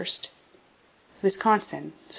Wisconsin """ Sept.